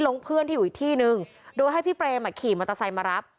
เพื่อนที่อยู่อีกที่นึงโดยให้พี่เปรมอ่ะขี่มอเตอร์ไซค์มารับ